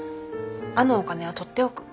あのお金は取っておく。